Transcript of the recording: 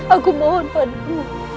aku mohon padamu